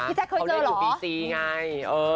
พี่แจ๊คเคยเจอเหรอเขาเล่นอยู่ปีจีนไง